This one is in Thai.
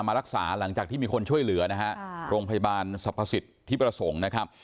มารักษาหลังจากที่มีคนช่วยเหลือโรงพยาบาลสรรพสิทธิปรสงฆ์